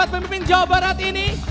pemimpin jawa barat ini